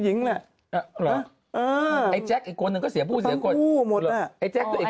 เยอะมากเลย